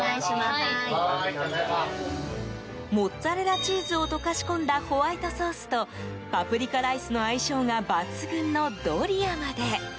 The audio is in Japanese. モッツァレラチーズを溶かし込んだホワイトソースとパプリカライスの相性が抜群のドリアまで。